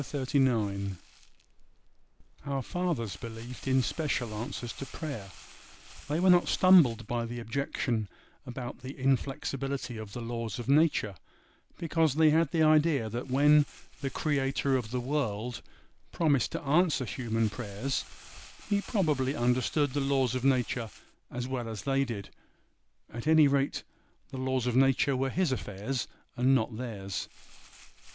CHAPTER XXXIX. OUR fathers believed in special answers to prayer. They were not stumbled by the objection about the inflexibility of the laws of nature, because they had the idea that when the Creator of the world promised to answer human prayers, He probably understood the laws of nature as well as they did; at any rate, the laws of nature were His affairs and not theirs.